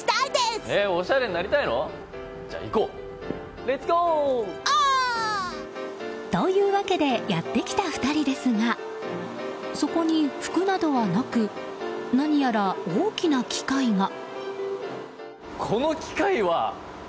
ＶＴＲをご覧ください！というわけでやってきた２人ですがそこに服などはなく何やら大きな機械が。